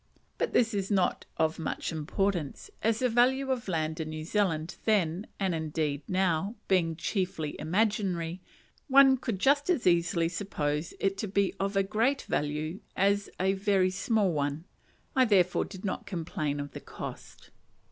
But this was not of much importance, as the value of land in New Zealand then (and indeed now) being chiefly imaginary, one could just as easily suppose it to be of a very great value as a very small one; I therefore did not complain of the cost.